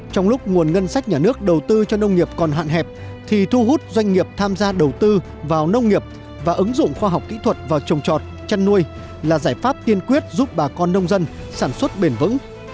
trong lúc nguồn ngân sách nhà nước đầu tư cho nông nghiệp còn hạn hẹp thì thu hút doanh nghiệp tham gia đầu tư vào nông nghiệp và ứng dụng khoa học kỹ thuật vào trồng trọt chăn nuôi là giải pháp tiên quyết giúp bà con nông dân sản xuất bền vững